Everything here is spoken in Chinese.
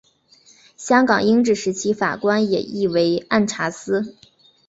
香港英治时期法官也译为按察司。